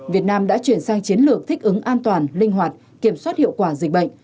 việt nam đã chuyển sang chiến lược thích ứng an toàn linh hoạt kiểm soát hiệu quả dịch bệnh